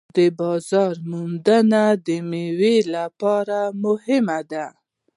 د بازار موندنه د میوو لپاره مهمه ده.